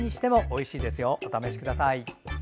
お試しください。